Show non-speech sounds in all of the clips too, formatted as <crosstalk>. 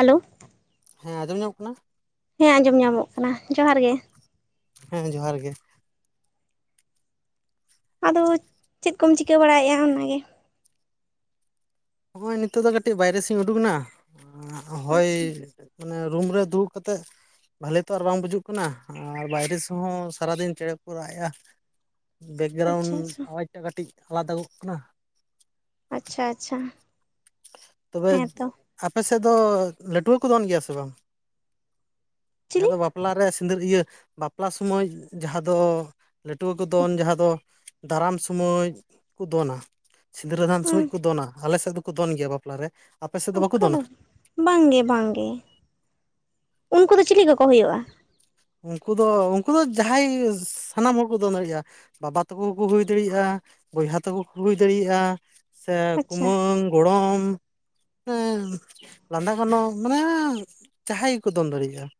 Hello. ᱦᱮᱸ ᱟᱸᱡᱚᱢ ᱧᱟᱢᱚᱜ ᱠᱟᱱᱟ? ᱦᱮᱸ ᱟᱸᱡᱚᱢ ᱧᱟᱢᱚᱜ ᱠᱟᱱᱟ, ᱡᱚᱦᱟᱨ ᱜᱮ ᱾ ᱦᱮᱸ ᱡᱚᱦᱟᱨ ᱜᱮ ᱾ ᱟᱫᱚ ᱪᱮᱫ ᱠᱚᱢ ᱪᱤᱠᱟᱹ ᱵᱟᱲᱟᱭᱮᱫ-ᱟ ᱚᱱᱟ ᱜᱮ? ᱱᱚᱜ-ᱚᱭ ᱱᱤᱛᱚᱜ ᱫᱚ ᱠᱟᱹᱴᱤᱡ ᱵᱟᱭᱨᱮ ᱥᱮᱫ ᱤᱧ ᱩᱰᱩᱠᱱᱟ ᱦᱚᱭ ᱟᱪᱪᱷᱟ ᱢᱟᱱᱮ ᱨᱩᱢ ᱨᱮ ᱫᱩᱲᱩᱵ ᱠᱟᱛᱮᱜ ᱵᱷᱟᱞᱤ ᱛᱚ ᱟᱨ ᱵᱟᱝ ᱵᱩᱡᱩᱜ ᱠᱟᱱᱟ ᱟᱨ ᱵᱟᱭᱨᱮ ᱥᱮᱜ ᱦᱚᱸ ᱥᱟᱨᱟᱫᱤᱱ ᱪᱮᱬᱮ ᱠᱚᱠᱚ ᱨᱟᱜ ᱮᱜ-ᱟ ᱾ ᱟᱪᱪᱷᱟ ᱵᱮᱠᱜᱨᱟᱣᱩᱱᱰ ᱟᱪᱪᱷᱟ ᱟᱣᱟᱡᱽ ᱴᱟᱜ ᱠᱟᱹᱴᱤᱡ ᱟᱞᱟᱫᱟ ᱜᱚᱜ ᱠᱟᱱᱟ ᱾ ᱟᱪᱪᱷᱟ ᱟᱪᱪᱷᱟ ᱾ ᱛᱚᱵᱮ ᱟᱯᱮ ᱥᱮᱫ ᱫᱚ ᱞᱟᱹᱴᱣᱟᱹ ᱠᱩ ᱫᱚᱱ ᱜᱮᱭᱟ ᱥᱮ ᱵᱟᱝ? ᱡᱟᱦᱟᱸ ᱪᱤᱞᱤ ᱫᱚ ᱵᱟᱯᱞᱟ ᱨᱮ ᱥᱤᱸᱫᱟᱹᱨ ᱤᱭᱟᱹ ᱵᱟᱯᱞᱟ ᱥᱚᱢᱚᱭ ᱡᱟᱦᱟᱸ ᱫᱚ ᱞᱟᱹᱴᱩᱣᱟᱹ ᱠᱚ ᱫᱚᱱ, ᱡᱟᱦᱟᱸ ᱫᱚ ᱫᱟᱨᱟᱢ ᱥᱚᱢᱚᱭ ᱠᱚ ᱫᱚᱱᱟ ᱾ ᱥᱤᱸᱫᱨᱟᱹᱫᱟᱱ ᱥᱚᱢᱚᱡ ᱠᱚ ᱫᱚᱱᱟ ᱟᱞᱮ ᱥᱮᱫ ᱫᱚᱠᱚ ᱫᱚᱱ ᱜᱮᱭᱟ ᱵᱟᱯᱞᱟ ᱨᱮ ᱾ ᱟᱯᱮ ᱥᱮᱫ ᱫᱚ ᱵᱟᱠᱚ ᱫᱚᱱᱟ? ᱵᱟᱝᱜᱮ ᱵᱟᱝᱜᱮ, ᱩᱱᱠᱩ ᱫᱚ ᱪᱤᱞᱤ ᱠᱚᱠᱚ ᱦᱩᱭᱩᱜ-ᱟ? ᱩᱱᱠᱩ ᱫᱚ ᱩᱱᱠᱩ ᱫᱚ ᱡᱟᱦᱟᱸᱭ ᱥᱟᱱᱟᱢ ᱦᱚᱲ ᱠᱚ ᱫᱚᱱ ᱫᱟᱲᱤᱭᱟᱜ-ᱟ ᱾ ᱵᱟᱵᱟ ᱛᱟᱠᱩ ᱦᱚᱸᱠᱩ ᱦᱩᱭ ᱫᱟᱲᱤᱭᱟᱜ-ᱟ ᱵᱚᱭᱦᱟ ᱛᱟᱠᱩ ᱦᱚᱸᱠᱩ ᱦᱩᱭ ᱫᱟᱲᱤᱭᱟᱜ-ᱟ, ᱥᱮ ᱟᱪᱪᱷᱟ ᱠᱩᱢᱟᱹᱝ ᱜᱚᱲᱚᱢ, ᱮᱸᱜ ᱞᱟᱸᱫᱟ ᱜᱟᱱᱚᱜ ᱢᱟᱱᱮ ᱡᱟᱦᱸᱟᱭ ᱜᱮᱠᱚ ᱫᱚᱱ ᱫᱟᱲᱮᱭᱟᱜᱼᱟ ᱾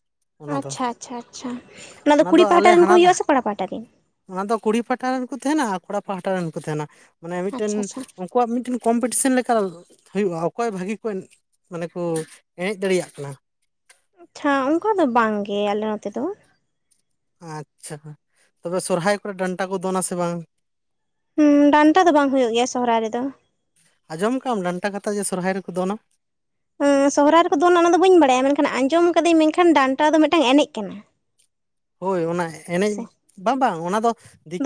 ᱟᱪᱪᱷᱟ ᱟᱪᱪᱷᱟ ᱟᱪᱪᱷᱟ ᱾ ᱚᱱᱟ ᱫᱚ ᱠᱩᱲᱤ ᱯᱟᱦᱴᱟ ᱨᱮᱱ ᱠᱚ ᱦᱩᱭᱩᱜᱼᱟ ᱥᱮ ᱠᱚᱲᱟ ᱯᱟᱦᱴᱟ ᱨᱮᱱ? ᱚᱱᱟ ᱫᱚ ᱠᱩᱲᱤ ᱯᱟᱦᱴᱟ ᱨᱮᱱ ᱦᱚᱸ ᱠᱚ ᱛᱟᱦᱮᱱᱟ ᱟᱨ ᱠᱚᱲᱟ ᱯᱟᱦᱴᱟ ᱨᱮᱱ ᱠᱚ ᱛᱟᱦᱮᱱᱟ ᱢᱟᱱᱮ ᱢᱤᱫᱴᱮᱱ ᱟᱪᱪᱷᱟ ᱟᱪᱪᱷᱟ ᱟᱠᱚᱣᱟᱜ ᱢᱤᱫᱴᱮᱱ ᱠᱚᱢᱯᱤᱴᱤᱥᱮᱱ ᱞᱮᱠᱟ ᱦᱩᱭᱩᱜᱼᱟ ᱚᱠᱚᱭ ᱵᱷᱟᱹᱜᱤ ᱠᱚ ᱮ ᱢᱟᱱᱮ ᱠᱚ ᱮᱱᱮᱡ ᱫᱟᱲᱮᱭᱟᱜ ᱠᱟᱱᱟ ᱾ ᱟᱪᱪᱷᱟ ᱚᱱᱠᱟ ᱫᱚ ᱵᱟᱝ ᱜᱮ ᱟᱞᱮ ᱱᱚᱛᱮ ᱫᱚ ᱾ ᱟᱪᱪᱷᱟ, ᱛᱚᱵᱮ ᱥᱚᱨᱦᱟᱭ ᱠᱚᱨᱮ ᱰᱟᱱᱴᱟ ᱠᱚ ᱫᱚᱱᱟ ᱥᱮ ᱵᱟᱝ? ᱦᱩᱸ ᱰᱟᱱᱴᱟ ᱫᱚ ᱵᱟᱝ ᱦᱩᱭᱩᱜ ᱜᱮᱭᱟ ᱥᱚᱦᱚᱨᱟᱭ ᱨᱮᱫᱚ ᱾ ᱟᱸᱡᱚᱢ ᱠᱟᱜ-ᱟᱢ ᱰᱟᱱᱴᱟ ᱠᱟᱛᱷᱟ ᱡᱮ ᱥᱚᱨᱦᱟᱭ ᱨᱮᱠᱚ ᱫᱚᱱᱟ? ᱩᱸ ᱥᱚᱦᱚᱨᱟᱭ ᱨᱮᱠᱚ ᱫᱚᱱᱟ ᱚᱱᱟ ᱫᱚ ᱵᱟᱹᱧ ᱵᱟᱲᱟᱭᱟ, ᱢᱮᱱᱠᱷᱟᱱ ᱟᱸᱡᱚᱢ ᱠᱟᱹᱫᱟᱹᱧ ᱢᱮᱱᱠᱷᱟᱱ ᱰᱟᱱᱴᱟ ᱫᱚ ᱢᱮᱫᱴᱟᱝ ᱮᱱᱮᱡ ᱠᱟᱱᱟ ᱾ <unintelligible> ᱦᱳᱭ ᱚᱱᱟ ᱮᱱᱮᱡ, ᱵᱟᱝ ᱵᱟᱝ ᱚᱱᱟ ᱫᱚ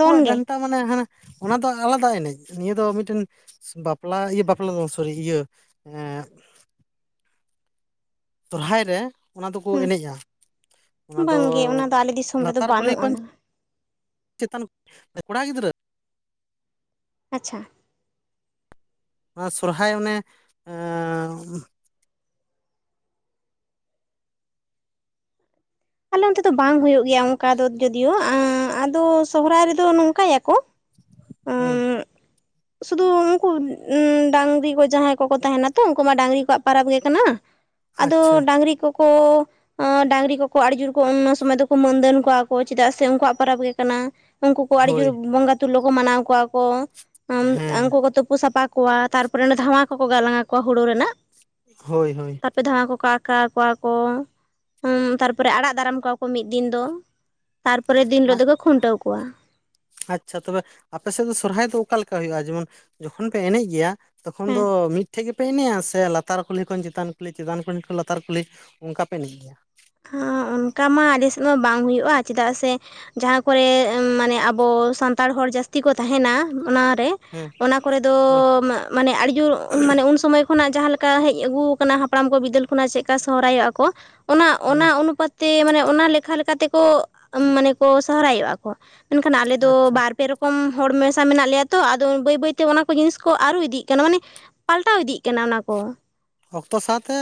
ᱫᱚᱱ ᱜᱮ ᱰᱟᱱᱴ ᱫᱚ ᱢᱟᱱᱮ ᱦᱟᱱᱮ ᱚᱱᱟ ᱫᱚ ᱟᱞᱟᱫᱟ ᱮᱱᱮᱡ, ᱱᱤᱭᱟᱹ ᱫᱚ ᱢᱤᱫᱴᱮᱱ ᱵᱟᱯᱞᱟ ᱤᱭᱟᱹ ᱵᱟᱯᱞᱟ ᱫᱚ ᱵᱟᱝ ᱥᱚᱨᱤ ᱤᱭᱟᱹ ᱮᱸᱜ ᱥᱚᱨᱦᱟᱭ ᱨᱮ ᱚᱱᱟ ᱫᱚᱠᱚ ᱦᱩᱸ ᱮᱱᱮᱡᱼᱟ, ᱚᱱᱟ ᱫᱚ ᱵᱟᱝᱜᱮ ᱚᱱᱟ ᱫᱚ ᱟᱞᱮ ᱫᱤᱥᱚᱢ ᱨᱮᱫᱚ ᱞᱟᱛᱟᱨ ᱠᱩᱞᱦᱤ ᱵᱟᱹᱱᱩᱜ ᱠᱷᱚᱱ ᱟᱱᱟ ᱪᱮᱛᱟᱱ ᱠᱚᱲᱟ ᱜᱤᱫᱽᱨᱟᱹ ᱟᱪᱪᱷᱟ ᱾ ᱚᱱᱟ ᱥᱚᱨᱦᱟᱭ ᱚᱱᱮ ᱮᱸᱜ ᱟᱞᱮ ᱚᱱᱛᱮ ᱫᱚ ᱵᱟᱝ ᱦᱩᱭᱩᱜ ᱜᱮᱭᱟ ᱚᱱᱠᱟ ᱫᱚ ᱡᱚᱫᱤᱭᱳ, ᱮᱸᱜ ᱟᱫᱚ ᱥᱚᱦᱨᱟᱭ ᱨᱮᱫᱚ ᱱᱚᱝᱠᱟᱭᱟᱠᱚ ᱦᱩᱸ ᱾ ᱮᱸᱜ ᱥᱩᱫᱩ ᱩᱱᱠᱩ ᱰᱟᱝᱨᱤ ᱠᱚ ᱡᱟᱦᱟᱸᱭ ᱠᱚᱠᱚ ᱛᱟᱦᱮᱱᱟ ᱛᱚ ᱩᱱᱠᱩ ᱢᱟ ᱰᱟᱝᱨᱤ ᱠᱚᱣᱟᱜ ᱯᱟᱨᱟᱵᱽ ᱜᱮ ᱠᱟᱱᱟ ᱾ ᱟᱪᱪᱷᱟ ᱟᱫᱚ ᱰᱟᱝᱨᱤ ᱠᱚᱠᱚ ᱮᱸ ᱰᱟᱝᱨᱤ ᱠᱚ ᱠᱚ ᱟᱹᱰᱤ ᱡᱳᱨ ᱠᱚ ᱚᱱᱱᱚ ᱥᱚᱢᱚᱭ ᱫᱚᱠᱚ ᱢᱟᱹᱱᱫᱟᱹᱱ ᱠᱚᱣᱟ ᱠᱚ ᱪᱮᱫᱟᱜ ᱥᱮ ᱩᱱᱠᱩᱣᱟᱜ ᱯᱚᱨᱟᱵᱽ ᱜᱮ ᱠᱟᱱᱟ᱾ ᱩᱱᱠᱩ ᱠᱚ ᱟᱹᱰᱤ ᱦᱳᱭ ᱡᱳᱨ ᱵᱚᱸᱜᱟ ᱛᱩᱞᱞᱚ ᱠᱚ ᱢᱟᱱᱟᱣ ᱠᱚᱣᱟ ᱠᱚ, ᱦᱮᱸ ᱩᱱᱠᱩ ᱠᱚ ᱛᱩᱯᱩ ᱥᱟᱯᱟ ᱠᱚᱣᱟ ᱛᱟᱨᱯᱚᱨᱮ ᱚᱱᱟ ᱫᱷᱟᱣᱟ ᱠᱚᱠᱚ ᱜᱟᱞᱟᱝ ᱟᱠᱚᱣᱟ ᱦᱩᱲᱩ ᱨᱮᱱᱟᱜ᱾ ᱦᱳᱭ ᱦᱳᱭ᱾ ᱛᱟᱨᱯᱚᱨᱮ ᱫᱷᱟᱣᱟ ᱠᱚᱠᱚ ᱟᱠᱟᱣ ᱟᱠᱚᱣᱟ ᱠᱚ ᱦᱩᱸ ᱛᱟᱨ ᱛᱟᱯᱚᱨᱮ ᱟᱲᱟᱜ ᱫᱟᱨᱟᱢ ᱠᱚᱣᱟ ᱠᱚ ᱢᱤᱫ ᱫᱤᱱ ᱫᱚ᱾ ᱛᱟᱨᱯᱚᱨᱮ ᱫᱤᱱ ᱦᱤᱞᱚᱜ ᱫᱚᱠᱚ ᱠᱷᱩᱱᱴᱟᱹᱣ ᱠᱚᱣᱟ᱾ ᱟᱪᱪᱷᱟ ᱛᱚᱵᱮ ᱟᱯᱮ ᱥᱮᱫ ᱫᱚ ᱥᱚᱨᱦᱟᱭ ᱫᱚ ᱚᱠᱟ ᱞᱮᱠᱟ ᱦᱩᱭᱩᱜᱼᱟ ᱡᱮᱢᱚᱱ ᱡᱚᱠᱷᱚᱱ ᱯᱮ ᱮᱱᱮᱡ ᱜᱮᱭᱟ ᱛᱚᱠᱷᱚᱱ ᱦᱮᱸ ᱫᱚ ᱢᱤᱫᱴᱷᱮᱡ ᱜᱮᱯ ᱯᱮ ᱮᱱᱮᱡ-ᱟ ᱥᱮ ᱞᱟᱛᱟᱨ ᱠᱩᱞᱦᱤ ᱠᱷᱚᱱ ᱪᱮᱛᱟᱱ ᱠᱩᱞᱦᱤ, ᱪᱮᱛᱟᱱ ᱠᱩᱞᱦᱤ ᱠᱷᱚᱱ ᱞᱟᱛᱟᱨ ᱠᱩᱞᱦᱤ ᱚᱱᱠᱟ ᱯᱮ ᱮᱱᱮᱡ ᱜᱮᱭᱟ? ᱦᱚ ᱚᱱᱠᱟ ᱢᱟ ᱟᱰᱤᱥᱮᱫ ᱢᱟ ᱵᱟᱝ ᱦᱩᱭᱩᱜ-ᱟ ᱪᱮᱫᱟᱜ ᱥᱮ ᱡᱟᱦᱟᱸ ᱠᱚᱨᱮ ᱢᱟᱱᱮ ᱟᱵᱚ ᱥᱟᱱᱛᱟᱲ ᱦᱚᱲ ᱡᱟᱹᱥᱛᱤ ᱠᱚ ᱛᱟᱦᱮᱱᱟ ᱚᱱᱟᱨᱮ᱾ ᱦᱮᱸ ᱚᱱᱟ ᱠᱚᱨᱮ ᱫᱚ ᱦᱳᱭ ᱢᱟᱱᱮ ᱟᱹᱰᱤ ᱡᱳᱨ ᱢᱟᱱᱮ ᱩᱱ ᱥᱚᱢᱚᱭ ᱠᱷᱚᱱᱟᱜ ᱡᱟᱦᱟᱸ ᱞᱮᱠᱟ ᱦᱮᱡ ᱟᱹᱜᱩᱮ ᱠᱟᱱᱟ ᱦᱟᱯᱲᱟᱢ ᱠᱚ ᱵᱤᱫᱟᱹᱞ ᱠᱷᱚᱱᱟᱜ, ᱪᱮᱫ ᱞᱮᱠᱟ ᱥᱚᱦᱨᱟᱭᱚᱜ-ᱟ ᱠᱚ ᱚᱱᱟ ᱦᱩᱸ ᱚᱱᱟ ᱚᱱᱩᱯᱟᱛ ᱛᱮ ᱢᱟᱱᱮ ᱚᱱᱟ ᱞᱮᱠᱷᱟ ᱞᱮᱠᱟ ᱛᱮᱠᱚ ᱢᱟᱱᱮ ᱠᱚ ᱥᱚᱦᱨᱟᱭᱚᱜ-ᱟ ᱠᱚ᱾ ᱢᱮᱱᱠᱷᱟᱱ ᱟᱞᱮ ᱫᱚ ᱟᱪᱪᱷᱟ ᱵᱟᱨ ᱯᱮ ᱨᱚᱠᱚᱢ ᱠᱚᱢ ᱦᱚᱲ ᱢᱮᱥᱟ ᱢᱮᱱᱟᱜ ᱞᱮᱭᱟ ᱛᱚ ᱟᱫᱚ ᱵᱟᱹᱭ ᱵᱟᱹᱭᱛᱮ ᱚᱱᱟ ᱠᱚ ᱡᱤᱱᱤᱥ ᱠᱚ ᱟᱨᱩ ᱤᱫᱤᱜ ᱠᱟᱱᱟ᱾ ᱢᱟᱱᱮ ᱯᱟᱞᱴᱟᱣ ᱤᱫᱤᱜ ᱠᱟᱱᱟ ᱚᱱᱟ ᱠᱚ᱾ ᱚᱠᱛᱚ ᱥᱟᱶᱛᱮ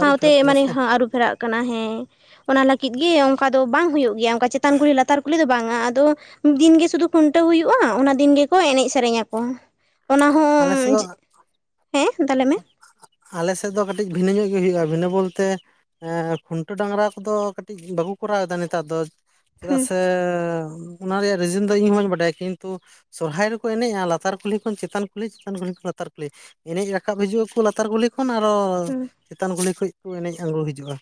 ᱟᱹᱨᱩ ᱯᱷᱮᱨᱟᱜ ᱠᱟᱱᱟ ᱢᱟᱱᱮ ᱥᱮ ᱟᱹᱨᱩ ᱯᱷᱮᱨᱟᱜ ᱠᱟᱱᱟ ᱦᱮᱸ᱾ ᱚᱱᱟ ᱞᱟᱹᱜᱤᱫ ᱜᱮ ᱚᱱᱠᱟ ᱫᱚ ᱵᱟᱝ ᱦᱩᱭᱩᱜ ᱜᱮᱭᱟ, ᱚᱱᱠᱟ ᱪᱮᱛᱟᱱ ᱠᱩᱞᱦᱤ ᱞᱟᱛᱟᱨ ᱠᱩᱞᱦᱤ ᱫᱚ ᱵᱟᱝᱟ ᱟᱫᱚ ᱢᱤᱫ ᱫᱤᱱᱜᱮ ᱥᱩᱫᱷᱩ ᱠᱷᱩᱱᱴᱟᱹᱣ ᱦᱩᱭᱩᱜ-ᱟ᱾ ᱚᱱᱟ ᱫᱤᱱ ᱜᱮᱠᱚ ᱮᱱᱮᱡ ᱥᱮᱨᱮᱧᱟᱠᱚ᱾ ᱚᱱᱟ ᱟᱞᱮ ᱥᱮᱫ ᱦᱚᱸ ᱫᱚ ᱦᱮᱸ ᱛᱟᱦᱚᱞᱮ <unintelligible> ᱟᱞᱮ ᱥᱮᱫ ᱫᱚ ᱠᱟᱹᱴᱤᱡ ᱵᱷᱤᱱᱟᱹ ᱧᱚᱜ ᱜᱮ ᱦᱩᱭᱩᱜᱼᱟ᱾ ᱵᱷᱤᱱᱟᱹ ᱵᱚᱞᱛᱮ ᱮᱸ ᱠᱷᱩᱱᱴᱟᱹᱣ ᱰᱟᱝᱨᱟ ᱠᱚᱫᱚ ᱠᱟᱹᱴᱤᱡ ᱵᱟᱠᱚ ᱠᱚᱨᱟᱣᱮᱫᱟ ᱱᱮᱛᱟᱨ ᱫᱚ᱾ ᱪᱮᱫᱟᱜ ᱦᱩᱸ ᱥᱮ ᱚᱱᱟ ᱨᱮᱭᱟᱜ ᱨᱤᱡᱮᱱ ᱫᱚ ᱤᱧ ᱦᱚᱸ ᱵᱟᱸᱧ ᱵᱟᱰᱟᱭᱟ ᱠᱤᱱᱛᱩ ᱥᱚᱨᱦᱟᱭ ᱨᱮᱠᱚ ᱮᱱᱮᱡ-ᱟ ᱞᱟᱛᱟᱨ ᱠᱩᱞᱦᱤ ᱠᱷᱚᱱ ᱪᱮᱛᱟᱱ ᱠᱩᱞᱦᱤ, ᱪᱮᱛᱟᱱ ᱠᱩᱞᱦᱤ ᱠᱷᱚᱱ ᱞᱟᱛᱟᱨ ᱠᱩᱞᱦᱤ ᱮᱱᱮᱡ ᱨᱟ ᱨᱟᱠᱟᱵ ᱦᱤᱡᱩᱜ ᱟᱠᱚ ᱞᱟᱛᱟᱨ ᱠᱩᱞᱦᱤ ᱠᱷᱚᱱ ᱟᱨᱚ ᱦᱩᱸ ᱪᱮᱛᱟᱱ ᱠᱩᱞᱦᱤ ᱠᱷᱚᱱᱡ ᱠᱚ ᱮᱱᱮᱡ ᱟᱝᱜᱚ ᱦᱤᱡᱩᱜ-ᱟ᱾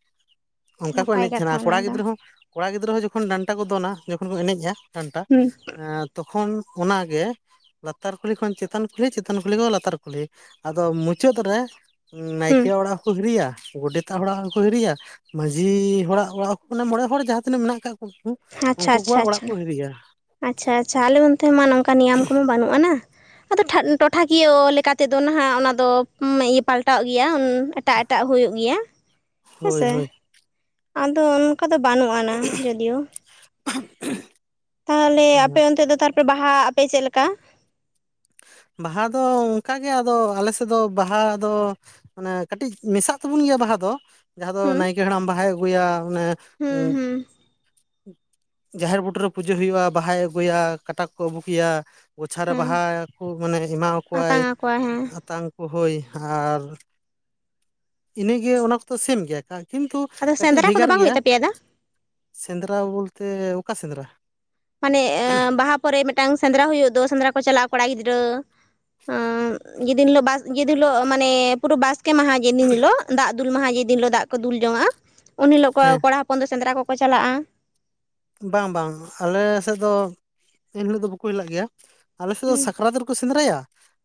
ᱚᱱᱠᱟ ᱠᱚ ᱱᱟᱯᱟᱭ ᱮᱱᱮᱡ ᱛᱟᱦᱮᱱᱟ᱾ ᱠᱟᱛᱷᱟ ᱚᱱᱟ ᱠᱚᱲᱟ ᱫᱚ ᱜᱤᱫᱽᱨᱟᱹ ᱦᱚᱸ ᱠᱚᱲᱟ ᱜᱤᱫᱽᱨᱟᱹ ᱦᱚᱸ ᱡᱚᱠᱷᱚᱱ ᱰᱟᱱᱴᱟ ᱠᱚ ᱫᱚᱱᱟ, ᱡᱚᱠᱷᱚᱱ ᱠᱚ ᱮᱱᱮᱡ-ᱟ ᱰᱟᱱᱴᱟ ᱦᱩᱸ ᱮᱸ ᱛᱚᱠᱷᱚᱱ ᱚᱱᱟᱜᱮ ᱞᱟᱛᱟᱨ ᱠᱩᱞᱦᱤ ᱠᱷᱚᱱ ᱪᱮᱛᱟᱱ ᱠᱩᱞᱦᱤ, ᱪᱮᱛᱟᱱ ᱠᱩᱞᱦᱤ ᱠᱚ ᱞᱟᱛᱟᱨ ᱠᱩᱞᱦᱤ᱾ ᱟᱫᱚ ᱢᱩᱪᱟᱹᱫ ᱨᱮ ᱦᱩᱸ ᱱᱟᱭᱠᱮᱭᱟᱜ ᱚᱲᱟᱜ ᱦᱚᱸᱠᱚ ᱦᱤᱨᱤᱭᱟ ᱜᱚᱰᱮᱛ ᱮᱴᱟᱜ ᱦᱚᱲᱟᱜ ᱦᱚᱸᱠᱚ ᱦᱤᱨᱤᱭᱟ, ᱢᱟᱺᱡᱷᱤ ᱦᱚᱲᱟᱜ ᱚᱲᱟᱜ ᱦᱚᱠᱚ ᱢᱟᱱᱮ ᱢᱚᱬᱮ ᱦᱚᱲ ᱡᱟᱦᱟᱸ ᱛᱤᱱᱟᱹᱜ ᱢᱮᱱᱟᱜ ᱠᱟᱜ ᱠᱚ ᱩᱱᱠᱩ ᱟᱪᱪᱷᱟ ᱩᱱᱠᱩ ᱟᱪᱪᱷᱟ ᱠᱚᱣᱟᱜ ᱚᱲᱟᱜ ᱟᱪᱪᱷᱟ ᱠᱚ ᱦᱤᱨᱤᱭᱟ᱾ ᱟᱪᱪᱷᱟ ᱟᱪᱪᱷᱟ ᱟᱞᱮ ᱚᱱᱛᱮ ᱢᱟ ᱱᱚᱝᱠᱟ ᱱᱤᱭᱟᱢ ᱠᱚᱢᱟ ᱵᱟᱹᱱᱩᱜ ᱟᱟᱱᱟ᱾ ᱟᱫᱚ ᱴᱷᱟ ᱴᱚᱴᱷᱟᱠᱤᱭᱟᱹ ᱞᱮᱠᱟᱛᱮᱫᱚ ᱱᱟᱦᱟᱜ ᱚᱱᱟ ᱫᱚ ᱯᱟᱞᱴᱟᱣ ᱜᱮᱭᱟ ᱮᱴᱟᱜ ᱮᱴᱟᱜ ᱮᱴᱟᱜ ᱦᱩᱭᱩᱜ ᱜᱮᱭᱟ᱾ ᱦᱳᱭ ᱦᱮᱸᱥᱮ ᱦᱳᱭ᱾ ᱟᱫᱚ ᱚᱱᱠᱟ ᱫᱚ ᱵᱟᱹᱱᱩᱜ-ᱟᱱᱟ ᱡᱳᱫᱤᱭᱳ᱾ <unintelligible> ᱛᱟᱦᱚᱞᱮ ᱟᱯᱮ ᱚᱱᱛᱮ ᱫᱚ ᱛᱟᱨᱯᱚᱨᱮ ᱵᱟᱦᱟᱜ ᱟᱯᱮ ᱪᱮᱫᱮ ᱞᱮᱠᱟ? ᱵᱟᱦᱟ ᱫᱚ ᱚᱱᱠᱟᱜᱮ ᱟᱫᱚ ᱟᱞᱮ ᱥᱮᱫ ᱫᱚ ᱵᱟᱦᱟ ᱫᱚ ᱢᱟᱱᱮ ᱠᱟᱹᱴᱤᱡ ᱢᱮᱥᱟᱜ ᱛᱟᱵᱚᱱ ᱜᱮᱭᱟ ᱵᱟᱦᱟ ᱫᱚ᱾ ᱡᱟᱦᱟᱸ ᱫᱚ ᱦᱩᱸ? ᱱᱟᱭᱠᱮ ᱦᱟᱲᱟᱢ ᱵᱟᱦᱟᱭ ᱟᱹᱜᱩᱭᱟ ᱚᱱᱮ ᱦᱩᱸ ᱦᱩᱸ᱾ ᱡᱟᱦᱮᱨ ᱵᱩᱴᱩᱨ ᱨᱮ ᱯᱩᱡᱟᱹ ᱦᱩᱭᱩᱜ-ᱟ᱾ ᱵᱟᱦᱟᱭ ᱟᱹᱜᱩᱭᱟ, ᱠᱟᱴᱟ ᱠᱚᱠᱚ ᱟᱹᱵᱩᱠᱮᱭᱟ᱾ ᱜᱚᱪᱷᱟᱨ ᱨᱮ ᱦᱮᱸ ᱵᱟᱦᱟ ᱠᱚ ᱢᱟᱱᱮ ᱮᱢᱟᱣ ᱟᱠᱚᱣᱟᱭ᱾ ᱟᱛᱟᱝ ᱟᱠᱚᱣᱟ ᱦᱮᱸ᱾ ᱟᱛᱟᱝ ᱠᱚ ᱦᱳᱭ ᱟᱨ ᱤᱱᱟᱹᱜᱮ ᱚᱱᱟ ᱠᱚᱫᱚ ᱥᱮᱢ ᱜᱮᱭᱟ ᱠᱟ ᱠᱤᱱᱛᱩ ᱟᱫᱚ ᱠᱟᱹᱴᱤᱡ ᱥᱮᱸᱫᱽᱨᱟ ᱠᱚᱫᱚ ᱵᱷᱮᱜᱟᱨ ᱵᱟᱝ ᱜᱮᱭᱟ᱾ ᱦᱩᱭᱩᱜ ᱛᱟᱯᱮᱭᱟ ᱫᱟ? ᱥᱮᱸᱫᱽᱨᱟ ᱵᱚᱞᱛᱮ ᱚᱠᱟ ᱥᱮᱸᱫᱽᱨᱟ? ᱢᱟᱱᱮ ᱵᱟᱦᱟ ᱯᱚᱨᱮ ᱢᱤᱫᱴᱟᱝ ᱥᱮᱸᱫᱽᱨᱟ ᱦᱩᱭᱩᱜ ᱫᱚ ᱥᱮᱸᱫᱽᱨᱟ ᱠᱚ ᱪᱟᱞᱟᱜᱼᱟ ᱠᱚᱲᱟ ᱜᱤᱫᱽᱨᱟᱹ ᱾ ᱡ ᱫᱤᱱ ᱦᱤᱞᱳᱜ ᱵᱟᱥ ᱡᱮᱫᱤᱱ ᱦᱳᱜ ᱢᱟᱱᱮ ᱯᱩᱨᱟᱹ ᱵᱟᱥ ᱠᱮ ᱢᱟᱦᱟ ᱡᱮ ᱫᱤᱱ ᱦᱤᱞᱳᱜ ᱫᱟᱜ ᱫᱩᱞ ᱢᱟᱦᱟ ᱡᱮ ᱫᱤᱱ ᱦᱤᱞᱜ ᱫᱟᱜ ᱠᱚ ᱫᱩᱞ ᱡᱚᱝ ᱟᱼᱟ ᱩᱱ ᱦᱤᱞᱳᱜ ᱦᱮᱸ ᱠᱚᱲᱟ ᱦᱚᱯ ᱦᱚᱯᱚᱱ ᱫᱚ ᱥᱮᱸᱫᱽᱨᱟ ᱠᱚᱠᱚ ᱪᱟᱞᱟᱜᱼᱟ ᱵᱟᱝ ᱵᱟᱝ ᱟᱞᱮ ᱥᱮᱫ ᱫᱚ ᱮᱱᱦᱤᱞᱳᱜ ᱫᱚ ᱵᱟᱠᱚ ᱦᱤᱞᱟᱜ ᱜᱮᱭᱟ ᱾ ᱟᱞᱮ ᱥᱮᱫ ᱫᱚ ᱦᱩᱸ ᱥᱟᱠᱨᱟᱛ ᱨᱮᱠᱚ ᱥᱮᱸᱫᱽᱨᱟᱭᱟ